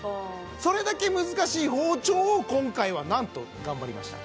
それだけ難しい包丁を今回はなんと頑張りました